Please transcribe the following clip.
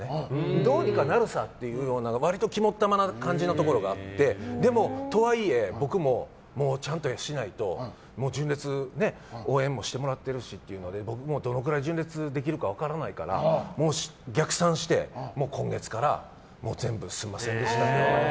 どうにかなるさっていう割と肝っ玉な感じのところがあってでも、とはいえ僕もちゃんとしないと純烈、応援もしてもらってるし僕もう、どのくらい純烈ができるか分からないからもう逆算して今月から全部済ませるって。